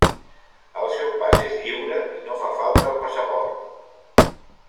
El seu pas és lliure i no fa falta el passaport.